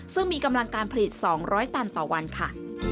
ซึ่งมีกำลังการผลิต๒๐๐ตันต่อวันค่ะ